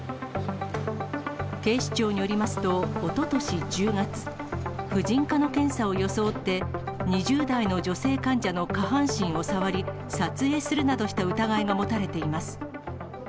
警視庁によりますと、おととし１０月、婦人科の検査を装って、２０代の女性患者の下半身を触り、撮影するなどした疑いが持たれています。